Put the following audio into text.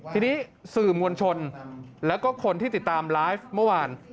ทีนี้สื่อมวลชนแล้วก็คนที่ติดตามไลฟ์เมื่อวาน